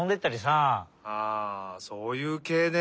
ああそういうけいね。